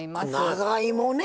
長芋ね！